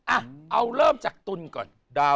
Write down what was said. อ่ะเอาเริ่มจากตุลก่อน